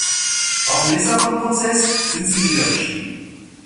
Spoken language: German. Auch im Lissabon-Prozess sind sie niedergeschrieben.